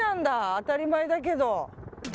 当たり前だけど。